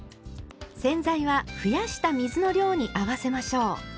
洗剤は増やした水の量に合わせましょう。